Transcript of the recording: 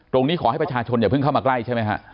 ตรงนี้ขอให้ประชาชนอย่าเพิ่งเข้ามาใกล้ใช่ไหมฮะ